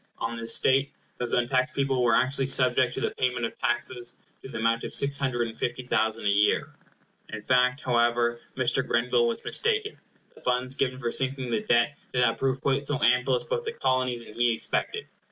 On this state, those untaxed people were actually subject to the payment of taxes to the amount of six hundred and fifty thousand a year. In fact, however, Mr. Grenville was mistaken. The funds given for sinking the debt did not prove quite so ample as both the Colonies and he expected.